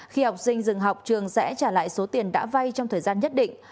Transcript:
khi học sinh dừng học trường sẽ trả lại số tiền đã vay trong thời gian nhất định